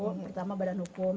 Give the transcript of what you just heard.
pertama badan hukum